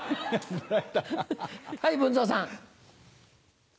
はい文蔵さん。